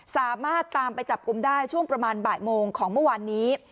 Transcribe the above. สามารถตามไปจับกลุ่มได้ช่วงประมาณบ่ายโมงของเมื่อวานนี้